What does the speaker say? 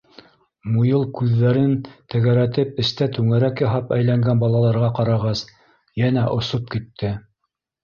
Муйыл күҙҙәрен тәгәрәтеп эстә түңәрәк яһап әйләнгән балаларға ҡарағас, йәнә осоп китте.